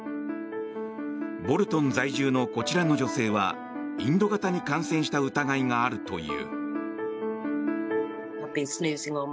ボルトン在住のこちらの女性はインド型に感染した疑いがあるという。